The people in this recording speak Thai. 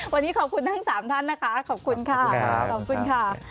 วันนี้ขอบคุณทั้ง๓ท่านนะคะขอบคุณค่ะ